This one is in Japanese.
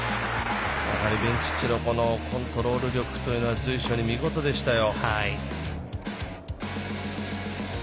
やはりベンチッチのコントロール力は随所で見事でしたよ。